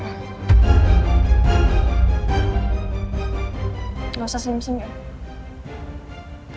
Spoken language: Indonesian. nggak usah senyum senyum ya